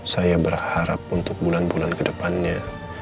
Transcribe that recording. saya berharap untuk bulan bulan kedepannya